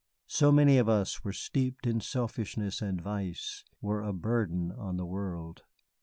So many of us were steeped in selfishness and vice, were a burden on the world.